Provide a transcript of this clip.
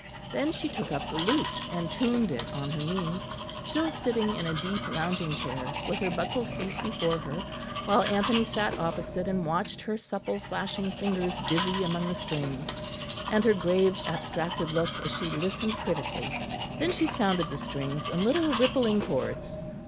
Then she took up the lute, and tuned it on her knee, still sitting in a deep lounging chair, with her buckled feet before her; while Anthony sat opposite and watched her supple flashing fingers busy among the strings, and her grave abstracted look as she listened critically. Then she sounded the strings in little rippling chords.